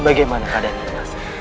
bagaimana keadaan ini mas